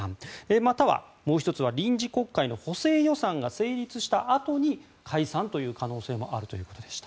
または、もう１つは臨時国会の補正予算が成立したあとに解散という可能性もあるということでした。